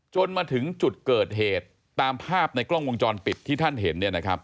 จนถึงจุดเกิดเหตุตามภาพในกล้องวงจรปิดที่ท่านเห็น